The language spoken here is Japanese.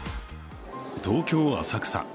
東京・浅草。